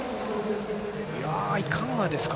いかがですか？